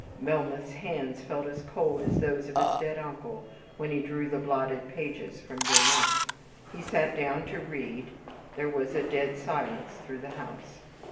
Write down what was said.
Melmoth's hands felt as cold as those of his dead uncle, when he drew the blotted pages from their nook. He sat down to read, there was a dead silence through the house.